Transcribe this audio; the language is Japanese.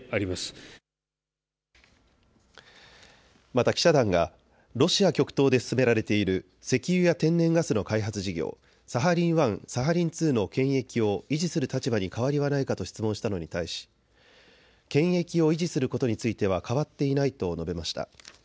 また記者団がロシア極東で進められている石油や天然ガスの開発事業、サハリン１、サハリン２の権益を維持する立場に変わりはないかと質問したのに対し、権益を維持することについては変わっていないと述べました。